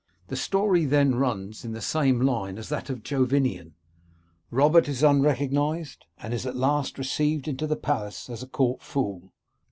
The story then runs in the same line as that of Jovinian. Robert is un recognised, and is at last received into the palace as court fool.